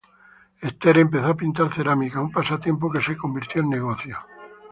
Esther empezó a pintar cerámica, un pasatiempo que se convirtió en negocio.